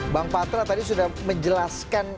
bang patra tadi sudah menjelaskan